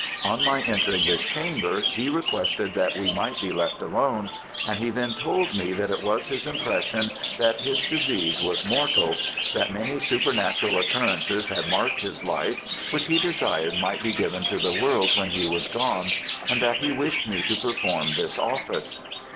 On my entering his chamber he requested that we might be left alone, and he then told me that it was his impression that his disease was mortal that many supernatural occurrances had marked his life, which he desired might be given to the world when he was gone, and that he wished me to perform this office.